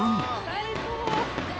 最高！